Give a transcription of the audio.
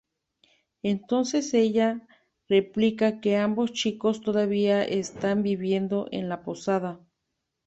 Entonces ella replica que ambos chicos todavía están viviendo en la posada.